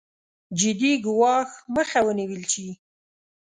جدي ګواښ مخه ونېول شي.